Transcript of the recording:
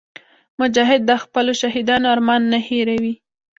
مجاهد د خپلو شهیدانو ارمان نه هېروي.